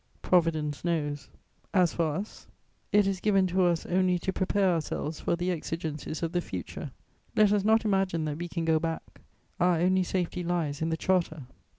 Providence knows. As for us, it is given to us only to prepare ourselves for the exigencies of the future. Let us not imagine that we can go back: our only safety lies in the Charter.